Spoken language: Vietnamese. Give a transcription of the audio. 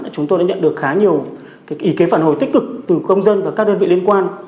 chúng tôi đã nhận được khá nhiều ý kiến phản hồi tích cực từ công dân và các đơn vị liên quan